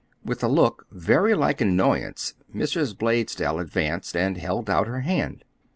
With a look very like annoyance Mrs. Blaisdell advanced and held out her hand.